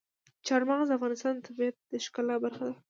چار مغز د افغانستان د طبیعت د ښکلا برخه ده.